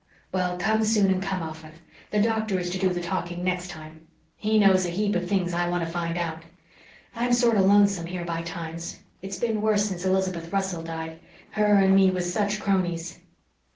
Well, come soon and come often. The doctor is to do the talking next time. He knows a heap of things I want to find out. I'm sorter lonesome here by times. It's been worse since Elizabeth Russell died. Her and me was such cronies."